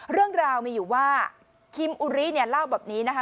เรื่องราวมีอยู่ว่าคิมอุริเนี่ยเล่าแบบนี้นะคะ